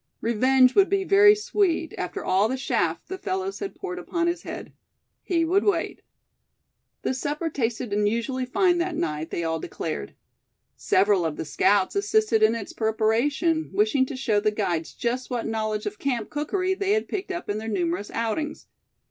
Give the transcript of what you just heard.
Revenge would be very sweet, after all the chaff the fellows had poured upon his head. He would wait. The supper tasted unusually fine that night, they all declared. Several of the scouts assisted in its preparation, wishing to show the guides just what knowledge of camp cookery they had picked up in their numerous outings.